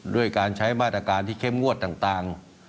ด้วยการใช้มาตรการที่เข้มงวดต่าง